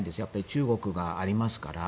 中国がありますから。